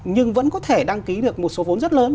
nhưng vẫn có thể đăng ký được một số vốn rất lớn